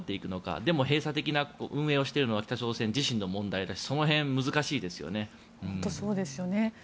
でも閉鎖的な運営をしているのは北朝鮮自身の問題で本当にそうですね。